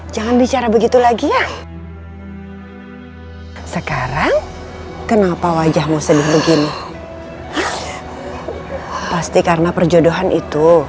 jangan bicara begitu lagi ya sekarang kenapa wajahmu sedih begini pasti karena perjodohan itu